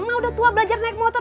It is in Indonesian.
emang udah tua belajar naik motor